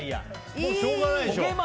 もうしょうがないでしょ。